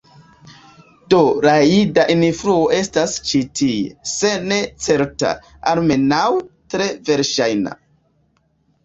Do la jida influo estas ĉi tie, se ne certa, almenaŭ tre verŝajna.